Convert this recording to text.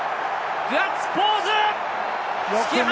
ガッツポーズ！